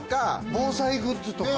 防災グッズとか。